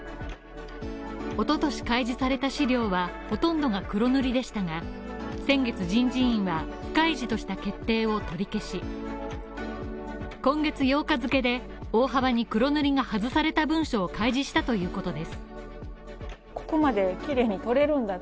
一昨年開示された資料はほとんどが黒塗りでしたが、先月人事院は不開示とした決定を取り消し、今月８日付で大幅に黒塗りが外された文章を開示したということです。